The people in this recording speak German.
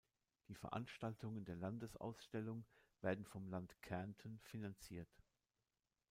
Die Veranstaltungen der Landesausstellung werden vom Land Kärnten finanziert.